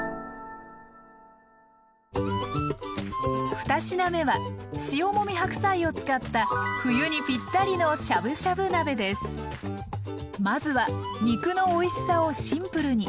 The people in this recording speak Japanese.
２品目は塩もみ白菜を使った冬にぴったりのまずは肉のおいしさをシンプルに。